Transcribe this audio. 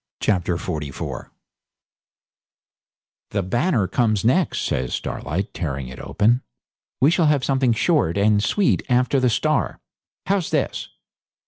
Chapter 44 'The "Banner" comes next,' says Starlight, tearing it open. 'We shall have something short and sweet after the "Star". How's this?